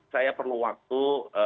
saya perlu waktu